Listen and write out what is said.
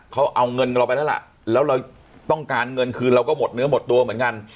เขาเอาเงินเราไปแล้วล่ะแล้วเราต้องการเงินคืนเราก็หมดเนื้อหมดตัวเหมือนกัน